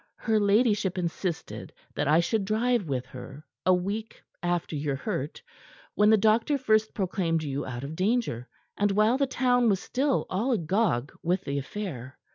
Her ladyship insisted that I should drive with her a week after your hurt, when the doctor first proclaimed you out of danger, and while the town was still all agog with the affair.